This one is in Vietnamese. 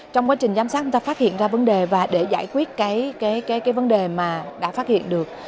trong quá trình giám sát chúng ta phát hiện ra vấn đề và để giải quyết cái vấn đề mà đã phát hiện được